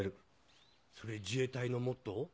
それ自衛隊のモットー？